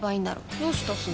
どうしたすず？